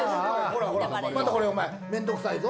またこれ面倒くさいぞ。